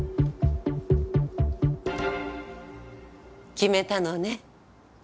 決めたのね。